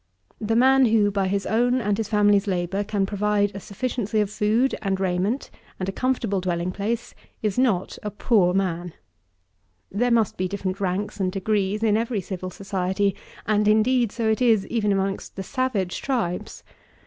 The man who, by his own and his family's labour, can provide a sufficiency of food and raiment, and a comfortable dwelling place, is not a poor man. There must be different ranks and degrees in every civil society, and, indeed, so it is even amongst the savage tribes.